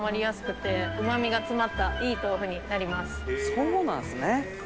そうなんすね。